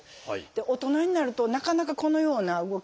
大人になるとなかなかこのような動きしませんので。